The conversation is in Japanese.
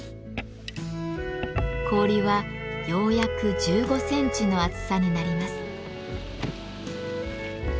氷はようやく１５センチの厚さになります。